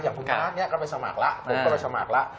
อย่างคุณภาพนี้ก็ไปสมัครแล้วผมก็ไปสมัครแล้ว